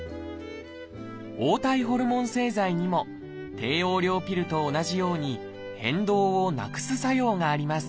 黄体ホルモン製剤にも低用量ピルと同じように変動をなくす作用があります。